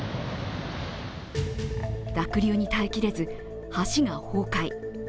濁流に耐えきれず、橋が崩壊。